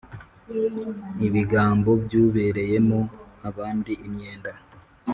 Ibigambo by ubereyemo abandi imyenda